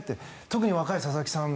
特に若い佐々木さん